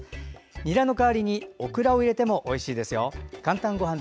にらの代わりにオクラを入れてもおいしいですよ。